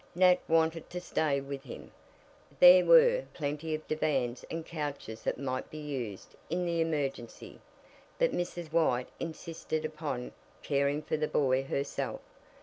Nat wanted to stay with him there were plenty of divans and couches that might be used in the emergency but Mrs. White insisted upon caring for the boy herself.